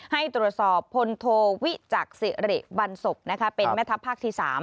ให้ตรวจสอบพลโทวิจักษ์สิริบันศพเป็นแม่ทัพภาคที่๓